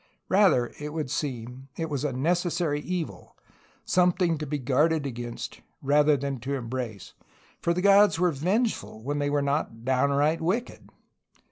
Rather, it would seem, it was a necessary evil, something to be guarded against rather than to embrace, for the gods were vengeful when they were not downright wicked.